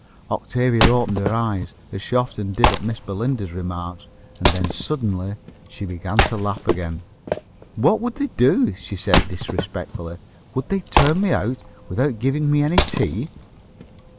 Octavia opened her eyes, as she often did at Miss Belinda's remarks, and then suddenly she began to laugh again. "What would they do?" she said disrespectfully. "Would they turn me out, without giving me any tea?"